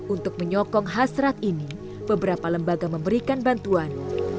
untuk menyokong hasrat ini beberapa lembaga memberikan bantuan